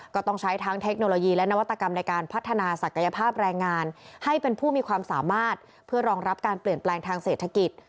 ก็ต้องใช้ทั้งเทคโนโลยีและนวัตกรรมในการพัฒนาศักยภาพแรงงานให้เป็นผู้มีความสามารถเพื่อรองรับการเปลี่ยนแปลงทางเศรษฐกิจ